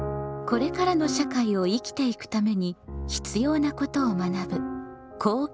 これからの社会を生きていくために必要なことを学ぶ「公共」。